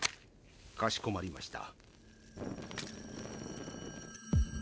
かしこまりました。